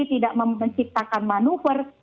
tidak menciptakan manuver